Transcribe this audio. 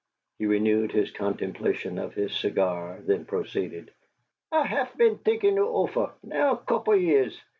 He renewed his contemplation of his cigar, then proceeded: "I hef been t'inkin' it ofer, now a couple years.